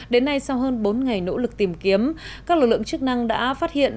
đến nay sau hơn bốn ngày nỗ lực tìm kiếm các lực lượng chức năng đã phát hiện